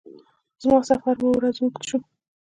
زما سفر اووه ورځو اوږد شو.